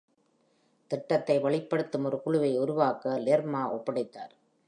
திட்டத்தை வெளிப்படுத்தும் ஒரு குழுவை உருவாக்க லெர்மா ஒப்படைத்தார்.